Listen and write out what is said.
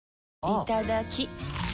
いただきっ！